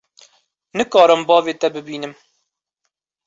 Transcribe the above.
Nikarim bavê te bibînim.